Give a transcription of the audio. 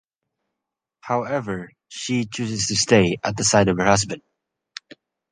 However, she chooses to stay at the side of her husband.